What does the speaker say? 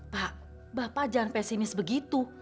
pak bapak jangan pesimis begitu